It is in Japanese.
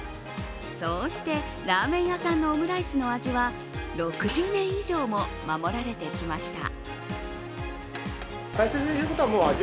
そうしてラーメン屋さんのオムライスの味は６０年以上も守られてきました。